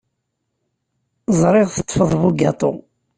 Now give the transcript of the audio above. Ẓriɣ teṭṭfeḍ bugaṭu.